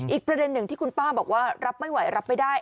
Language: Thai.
อีกประเด็นหนึ่งที่คุณป้าบอกว่ารับไม่ไหวรับไม่ได้